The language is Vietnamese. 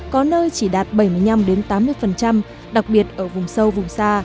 có nơi chỉ đạt bảy mươi năm tám mươi đặc biệt ở vùng sâu vùng xa